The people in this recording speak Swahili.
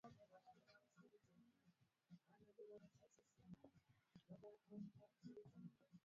Utahitaji hamira kwa ajili ya kuumua